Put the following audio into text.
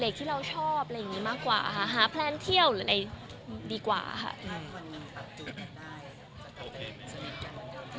เลยอาทิวเธอชอบเล็กนี้มากกว่าหาแผ่นเที่ยวหรือไม่ดีกว่าครับ